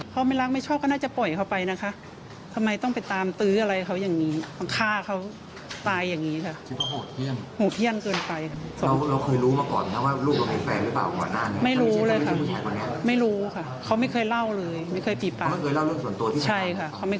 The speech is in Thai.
เพราะลูกสาวเป็นกำลังสำคัญในการดูแลครอบครัว